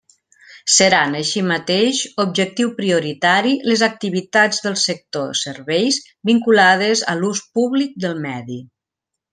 Seran així mateix objectiu prioritari les activitats del sector serveis vinculades a l'ús públic del medi.